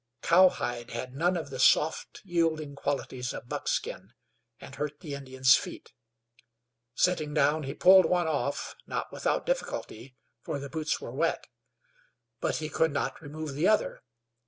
Cowhide had none of the soft, yielding qualities of buckskin, and hurt the Indian's feet. Sitting down, he pulled one off, not without difficulty, for the boots were wet; but he could not remove the other.